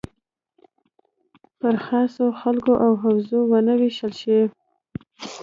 پر خاصو خلکو او حوزو ونه ویشل شي.